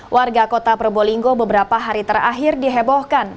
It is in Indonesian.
warga kota probolinggo beberapa hari terakhir dihebohkan